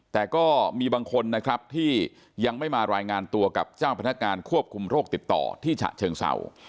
แต่ก็มีบางคนนะครับที่ยังไม่มารายงานตัวกับเจ้าพนักงานควบคุมโรคติดต่อที่ฉะเชิงเศร้า